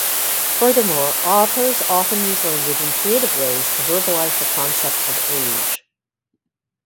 Furthermore, authors often use language in creative ways to verbalize the concept of age.